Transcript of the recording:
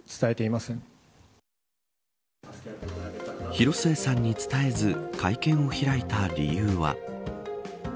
広末さんに伝えず会見を開いた理由は。